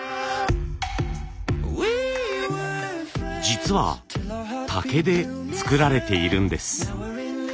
実は竹で作られているんです。